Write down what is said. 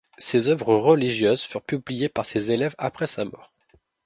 Ses œuvres religieuses furent publiées par ses élèves après sa mort.